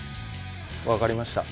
分かりました。